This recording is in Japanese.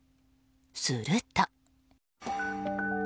すると。